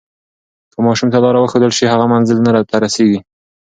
که ماشوم ته لاره وښودل شي، هغه منزل ته رسیږي.